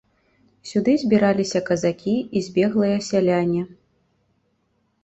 Сюды збіраліся казакі і збеглыя сяляне.